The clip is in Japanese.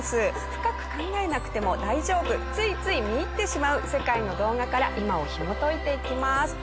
深く考えなくても大丈夫ついつい見入ってしまう世界の動画から今をひもといていきます。